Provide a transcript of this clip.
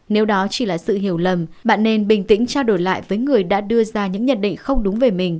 nếu đó chỉ là sự hiểu lầm bạn nên bình tĩnh trao đổi lại với người đã đưa ra những nhận định không